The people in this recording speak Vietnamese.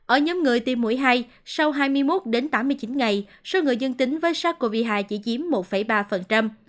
ở nhóm người tiêm mũi hai sau hai mươi một đến tám mươi chín ngày số người dương tính với sars cov hai chỉ chiếm một ba